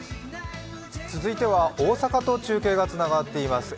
続いては大坂と中継がつながっています。